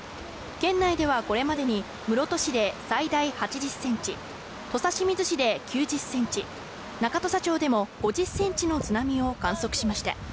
県内ではこれまでに、室戸市で最大８０センチ、土佐清水市で９０センチ、中土佐町でも５０センチの津波を観測しました。